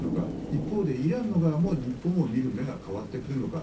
一方でイランの側も日本を見る目が変わってくるのか。